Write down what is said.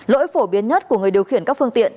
lỗi phổ biến nhất của người điều khiển các phương tiện